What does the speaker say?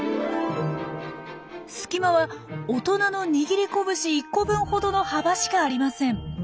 隙間は大人の握り拳１個分ほどの幅しかありません。